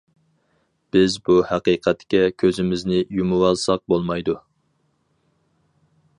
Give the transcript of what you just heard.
بىز بۇ ھەقىقەتكە كۆزىمىزنى يۇمۇۋالساق بولمايدۇ.